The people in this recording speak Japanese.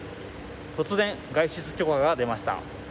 突然、外出許可が出ました。